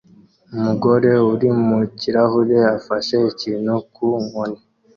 Umugabo uri mu kirahure afashe ikintu ku nkoni